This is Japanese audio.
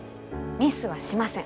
ミスはしません！